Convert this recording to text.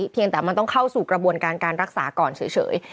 เพียงแต่มันต้องเข้าสู่กระบวนการการรักษาก่อนเฉย